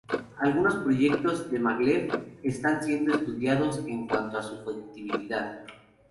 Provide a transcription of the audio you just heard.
Algunos proyectos de maglev están siendo estudiados en cuanto a su factibilidad.